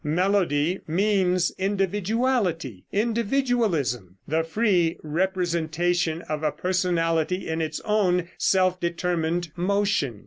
Melody means individuality, individualism; the free representation of a personality in its own self determined motion.